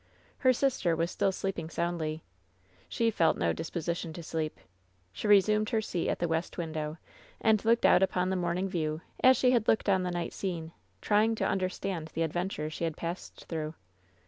Her sister was still sleeping soundly. She felt no disposition to sleep. She resumed her seat at the west window, and looked out upon the morning view, as she had looked on the night scene, trying to understand the adventure she had passed through.